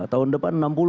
tahun depan enam puluh